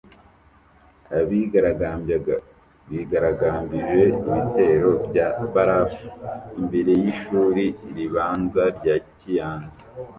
Abigaragambyaga bigaragambije ibitero bya barafu imbere y’ishuri ribanza rya Kiyanza